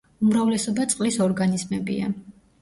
უმრავლესობა წყლის ორგანიზმებია.